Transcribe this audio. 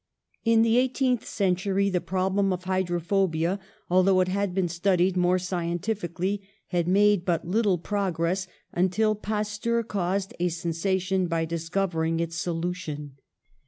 In the eighteenth century the problem of hy drophobia, although it had been studied more scientifically, had made but little progress, until Pasteur caused a sensation by discovering its solution.